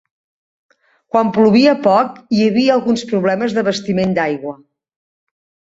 Quan plovia poc hi havia alguns problemes d'abastiment d'aigua.